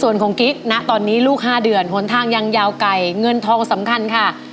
ส่วนของกิ๊กนะตอนนี้ลูก๕เดือนหนทางยังยาวไกลเงินทองสำคัญค่ะ